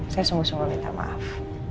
saya sungguh sungguh minta maaf